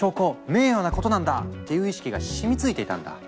名誉なことなんだ！」っていう意識が染みついていたんだ。